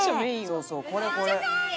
「そうそうこれこれ」